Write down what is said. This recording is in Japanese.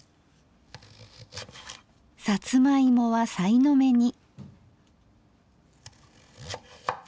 さつま芋はさいの目に。